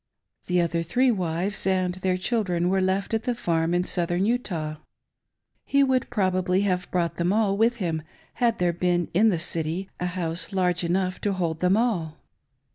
The other three wives and their children were left at the farm in Southern Utah. He would probably have brought them all with him, had there been in the City a house large enough to hold them all.